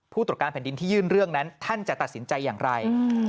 ผู้ตรวจการแผ่นดินที่ยื่นเรื่องนั้นท่านจะตัดสินใจอย่างไร